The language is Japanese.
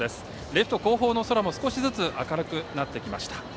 レフト後方の空も少しずつ明るくなってきました。